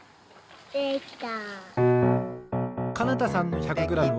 できた。